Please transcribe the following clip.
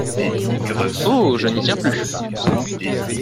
Oh ! je n’y tiens plus !…